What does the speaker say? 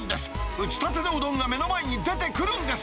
打ちたてのうどんが目の前に出てくるんです。